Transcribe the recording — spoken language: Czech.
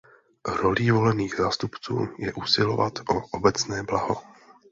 Rolí volených zástupců je usilovat o obecné blaho.